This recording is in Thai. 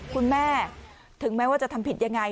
คุณแม่ถึงแม้ว่าจะทำผิดยังไง